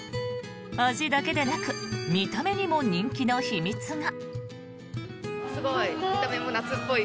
味だけでなく見た目にも人気の秘密が。